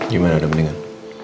gimana udah mendingan